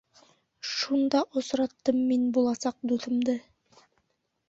Шунда осраттым мин буласаҡ дуҫымды.